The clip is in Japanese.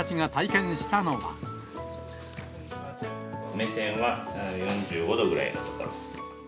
目線は斜め４５度ぐらいの所。